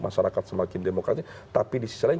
masyarakat semakin demokrasi tapi di sisi lain